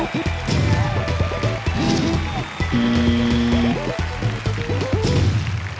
เกลอแล้ว